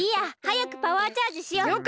はやくパワーチャージしよう。